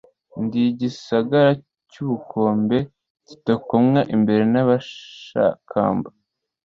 Ndi igisagara cy’ubukombe kidakomwa imbere n’abashakamba.